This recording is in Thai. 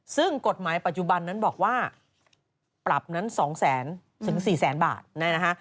ซึ่งกฎหมายปัจจุบันนั้นบอกว่าปรับนั้น๒แสนถึง๔แสนบาทนะฮะ